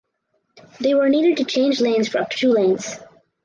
They were needed to change lanes for up to two lanes.